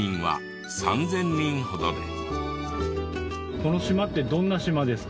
この島ってどんな島ですか？